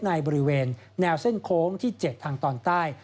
ในบริเวณแนวเส้นโค้งที่๗ทางตอนใต้